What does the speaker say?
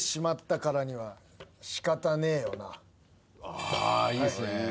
あいいっすね。